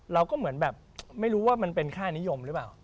เราก็เหมือนแบบไม่รู้ว่ามันเป็นค่านิยมหรือเปล่า